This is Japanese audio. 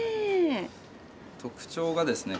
特徴がですね